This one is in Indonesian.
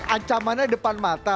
ancamannya depan mata